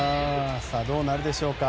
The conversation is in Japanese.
どうなるでしょうか。